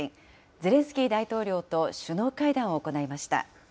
ゼレンスキー大統領と首脳会談を行いました。